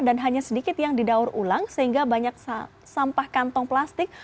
dan hanya sedikit yang didaur ulang sehingga banyak sampah kantong plastik